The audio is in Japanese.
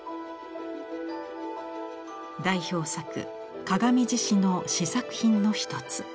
代表作「鏡獅子」の試作品の一つ。